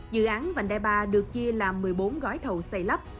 dự án vành đai ba được chia làm một mươi bốn gói thầu xây lắp